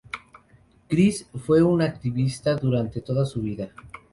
Chris fue un activista durante toda su vida.